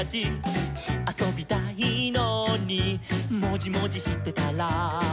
「あそびたいのにもじもじしてたら」